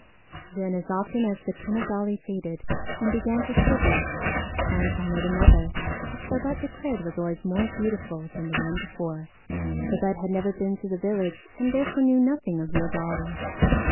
Then as often as this turnip dolly faded and began to shrivel, Antone made another, which Babette declared was always more beautiful than the one before. Babette had never been to the village and therefore knew nothing of real dollies.